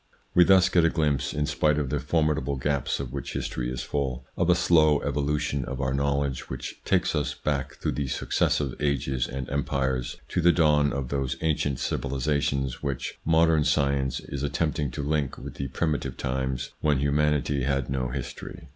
We thus get a glimpse, in spite of the formidable gaps of which history is full, of a slow evolution of our knowlege which takes us back through the successive ages and empires to the dawn of those ancient civilisations, which modern science is attempting to link with the primitive times when humanity had no history.